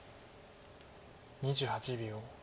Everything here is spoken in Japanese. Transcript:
２８秒。